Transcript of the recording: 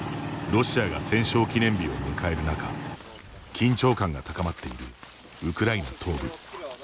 ロシアが戦勝記念日を迎える中緊張感が高まっているウクライナ東部。